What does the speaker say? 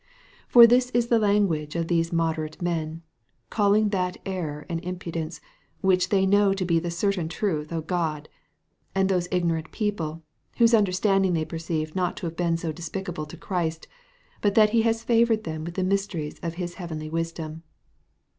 For this is the language of these moderate men, calling that error and imprudence which they know to be the certain truth of God, and those ignorant people, whose understanding they perceive not to have been so despicable to Christ, but that he has favoured them with the mysteries of his heavenly wisdom.